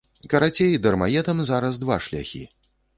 Карацей, дармаедам зараз два шляхі.